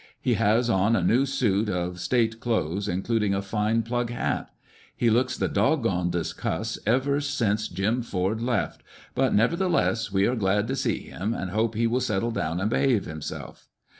He has on a new suit of State clothes, including a fine plug hat. He looks the dogondest cuss ever since Jim Ford left ; but, nevertheless, we are glad to see him, and hope he will settle down, and behave himself."